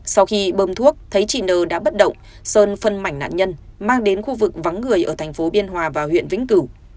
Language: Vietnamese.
sau khi bơm thuốc thấy chị n đã bất động sơn phân mảnh nạn nhân mang đến khu vực vắng người ở thành phố biên hòa và huyện vĩnh cửu